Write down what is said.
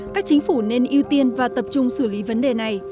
các chính phủ nên ưu tiên và tập trung xử lý vấn đề này